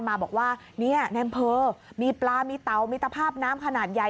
มาบอกว่าเนี่ยในอำเภอมีปลามีเตามีตภาพน้ำขนาดใหญ่